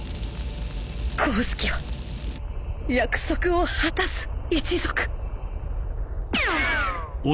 光月は約束を果たす一族！